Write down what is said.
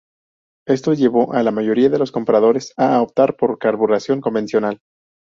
Esto llevó a la mayoría de los compradores a optar por carburación convencional.